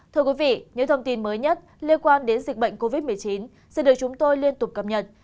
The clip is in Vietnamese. thưa quý vị những thông tin mới nhất liên quan đến dịch bệnh covid một mươi chín sẽ được chúng tôi liên tục cập nhật